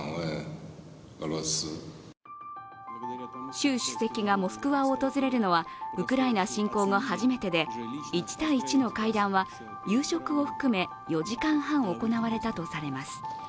習主席がモスクワを訪れるのはウクライナ侵攻後初めてで、１対１の会談は夕食を含め、４時間半行われたとされます。